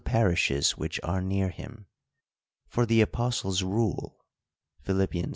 43 parishes which are near him. For, the apostle's rule (Phil, iv.)